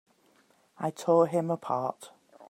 I tore him apart!